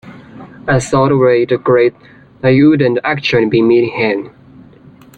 I thought we'd agreed that you wouldn't actually be meeting him?